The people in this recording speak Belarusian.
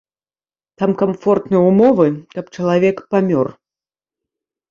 Там камфортныя ўмовы, каб чалавек памёр.